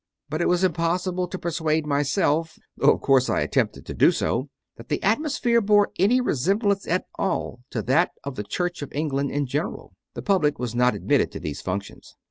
But it was impossible to persuade myself, though of course I attempted to do so, that the atmosphere bore any resemblance at all to that of the Church of England in general. The public was not admitted to these functions.